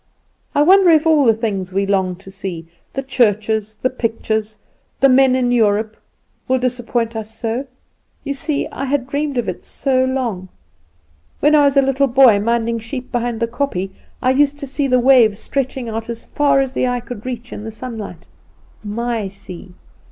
I wonder if all the things we long to see the churches, the pictures, the men in Europe will disappoint us so! You see I had dreamed of it so long. When I was a little boy, minding sheep behind the kopje, I used to see the waves stretching out as far as the eye could reach in the sunlight. My sea!